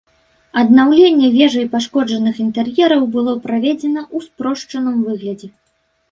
Аднаўленне вежы і пашкоджаных інтэр'ераў было праведзена ў спрошчаным выглядзе.